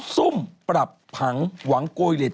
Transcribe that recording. ซุ่มปรับผังหวังโกยเล็ต